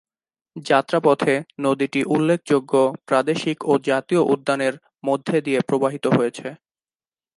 যাত্রাপথে নদীটি উল্লেখযোগ্য প্রাদেশিক ও জাতীয় উদ্যানের মধ্যে দিয়ে প্রবাহিত হয়েছে।